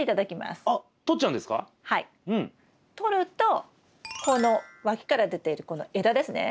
とるとこの脇から出ているこの枝ですね